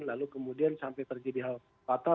lalu kemudian sampai terjadi hal fatal